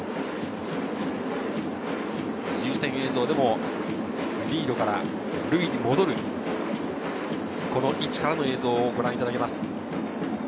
自由視点映像でもリードから塁に戻る、この位置からの映像をご覧いただけます。